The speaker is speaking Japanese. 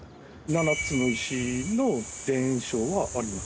７つの石の伝承はありますね。